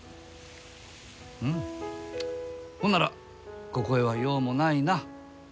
うんほんならここへは用もないな。